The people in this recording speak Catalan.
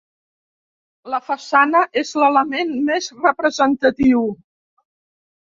La façana és l'element més representatiu.